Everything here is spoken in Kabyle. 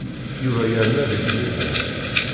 Yuba yerna deg lmizan.